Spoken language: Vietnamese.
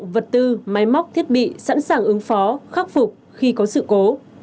vật tư máy móc thiết bị sẵn sàng ứng phó khắc phục khi có sự cố